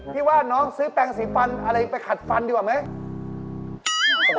พี่ว่าน้องซื้อแปลงสีฟันอะไรไปขัดฟันดีกว่าไหม